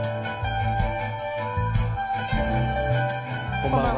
こんばんは。